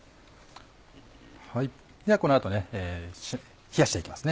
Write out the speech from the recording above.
ではこの後冷やしていきます